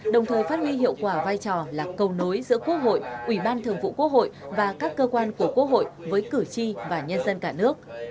đồng thời phát huy hiệu quả vai trò là cầu nối giữa quốc hội ủy ban thường vụ quốc hội và các cơ quan của quốc hội với cử tri và nhân dân cả nước